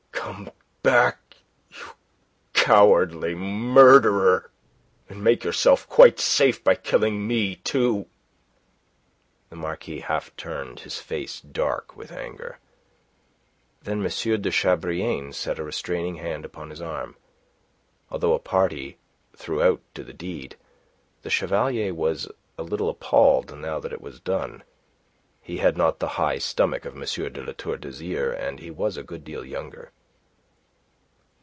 "Come back, you cowardly murderer, and make yourself quite safe by killing me too!" The Marquis half turned, his face dark with anger. Then M. de Chabrillane set a restraining hand upon his arm. Although a party throughout to the deed, the Chevalier was a little appalled now that it was done. He had not the high stomach of M. de La Tour d'Azyr, and he was a good deal younger.